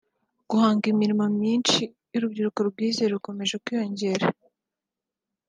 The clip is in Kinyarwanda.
guhanga imirimo myinshi y’urubyiruko rwize rukomeje kwiyongera